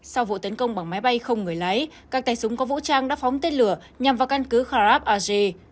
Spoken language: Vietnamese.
sau vụ tấn công bằng máy bay không người lái các tay súng có vũ trang đã phóng tên lửa nhằm vào căn cứ kharab aze